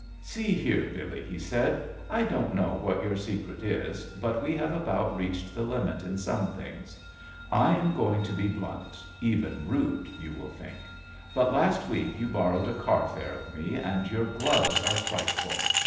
"See here, Billee," he said, "I don't know what your secret is, but we have about reached the limit in some things. I am going to be blunt, even rude, you will think ; but last week you borrowed a carfare of me and your gloves are frightful.